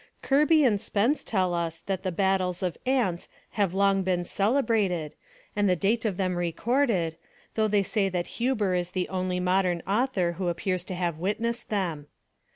Kirby and Spence tell us that the battles of ants have long been celebrated and the date of them recorded, though they say that Huber is the only modern author who appears to have witnessed them.